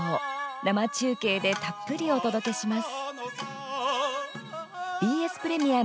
生中継でたっぷりお届けします。